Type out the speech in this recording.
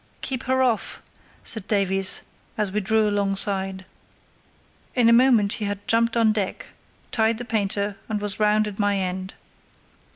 "Keep her off," said Davies, as we drew alongside. In a moment he had jumped on deck, tied the painter, and was round at my end.